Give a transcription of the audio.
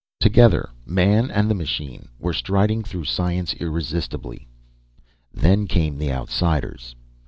Together, man and the machine were striding through science irresistibly. Then came the Outsiders.